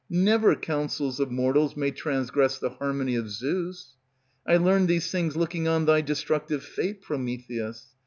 Never counsels of mortals May transgress the harmony of Zeus. I learned these things looking on Thy destructive fate, Prometheus.